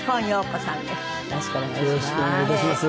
よろしくお願いします。